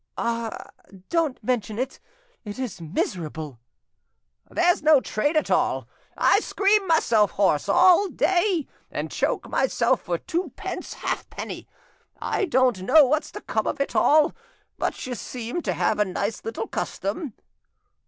"Ah! don't mention it; it is miserable!" "There's no trade at all. I scream myself hoarse all day, and choke myself for twopence halfpenny. I don't know what's to come of it all. But you seem to have a nice little custom."